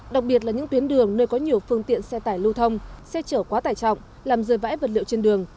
đặc biệt là những tuyến đường nơi có nhiều phương tiện xe tải lưu thông xe chở quá tải trọng làm rơi vãi vật liệu trên đường